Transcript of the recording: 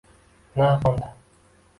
Na quvondi.